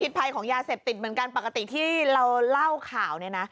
ภัยของยาเสพติดเหมือนกันปกติที่เราเล่าข่าวเนี่ยนะ